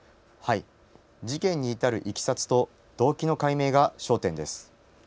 事件に至るいきさつと動機の解明が焦点です。